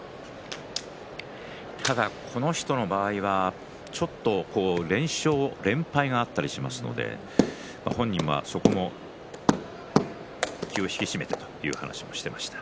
この人の場合は連勝、連敗があったりしますので本人も、そこは気を引き締めてという話をしていました。